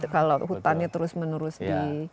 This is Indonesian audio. kalau hutannya terus menerus di